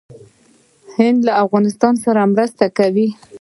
هند له افغانستان سره مرسته کوي.